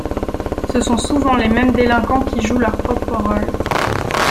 Ce sont souvent les mêmes délinquants qui jouent leur propre rôle.